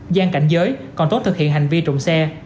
gian cảnh giới còn tốt thực hiện hành vi trộm xe